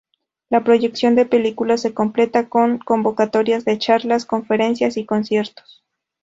La proyección de películas se completa con convocatorias de charlas, conferencias y conciertos.